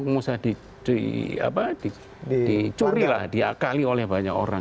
nggak usah dicuri diakali oleh banyak orang